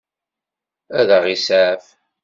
Ad ɣ-iseɛef?